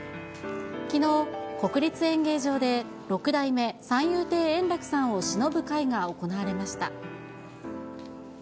きのう、国立演芸場で六代目三遊亭円楽さんをしのぶ会が行われました。